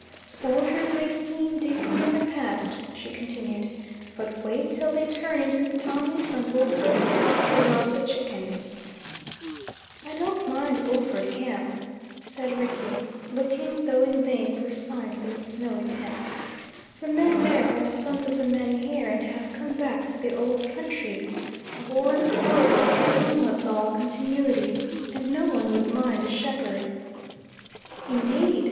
"Soldiers may seem decent in the past," she continued, "but wait till they turn into Tommies from Bulford Camp, who rob the chickens." "I don't mind Bulford Camp," said Rickie, looking, though in vain, for signs of its snowy tents. "The men there are the sons of the men here, and have come back to the old country. War's horrible, yet one loves all continuity. And no one could mind a shepherd." "Indeed!